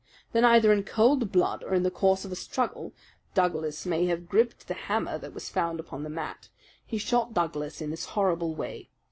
Then either in cold blood or in the course of a struggle Douglas may have gripped the hammer that was found upon the mat he shot Douglas in this horrible way.